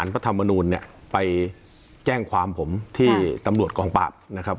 ไปแจ้งความผมที่ประโยชน์กลองปากนะครับ